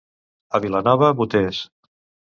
A Vilanova, boters.